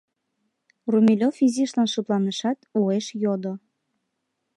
Румелёв изишлан шыпланышат, уэш йодо: